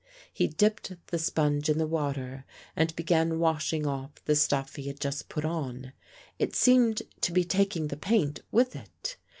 He dipped the sponge in the water and began washing off the stuff he had just put on. It seemed to be taking the paint with it.